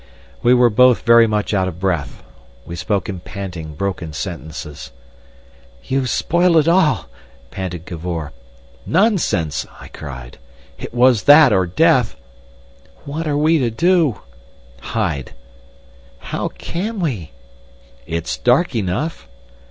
We were both very much out of breath. We spoke in panting, broken sentences. "You've spoilt it all!" panted Cavor. "Nonsense," I cried. "It was that or death!" "What are we to do?" "Hide." "How can we?" "It's dark enough."